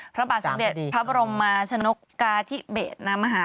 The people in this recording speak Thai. พระบาทสังเด็จพระบรมชนกาที่เบชน์น้ำมหา